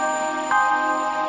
happiness untuk mereka sendiri